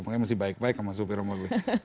pokoknya masih baik baik sama supir omong omong